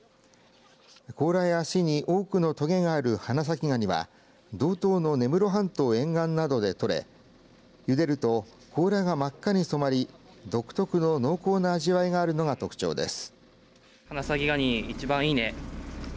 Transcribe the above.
甲羅や足に多くのとげがある花咲ガニは道東の根室半島沿岸などで取れゆでると甲羅が真っ赤に染まり独特の濃厚な味わいがあるのが特徴です。